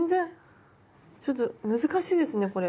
ちょっと難しいですねこれ。